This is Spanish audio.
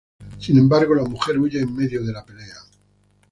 Sin embargo, la mujer huye en medio de la pelea.